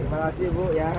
iya terima kasih bu ya